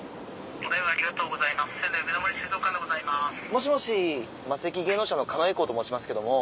もしもしマセキ芸能社の狩野英孝と申しますけども。